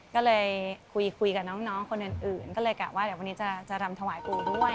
ก็เลยคุยกับน้องคนอื่นก็เลยกะว่าเดี๋ยววันนี้จะรำถวายปู่ด้วย